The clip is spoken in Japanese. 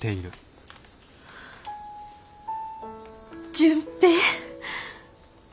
純平。